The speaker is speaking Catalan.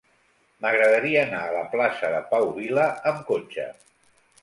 M'agradaria anar a la plaça de Pau Vila amb cotxe.